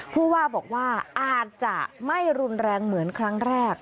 ผู้ว่าบอกว่าอาจจะไม่รุนแรงเหมือนครั้งแรก